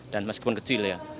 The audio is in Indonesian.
dan meskipun kecil ya